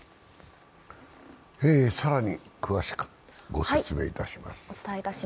更に詳しくご説明いたします。